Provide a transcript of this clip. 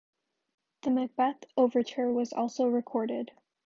The "Macbeth" Overture was also recorded.